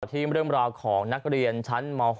ที่เรื่องราวของนักเรียนชั้นม๖